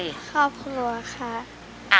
ครอบครัวค่ะ